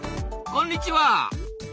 こんにちは！